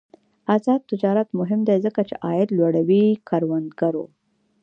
آزاد تجارت مهم دی ځکه چې عاید لوړوي کروندګرو.